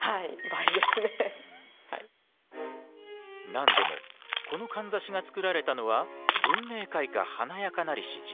何でもこのかんざしが作られたのは文明開化華やかなりし時代。